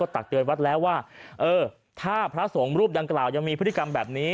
ตักเตือนวัดแล้วว่าเออถ้าพระสงฆ์รูปดังกล่าวยังมีพฤติกรรมแบบนี้